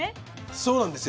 そうなんですよ。